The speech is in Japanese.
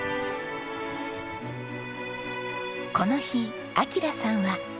この日明さんは。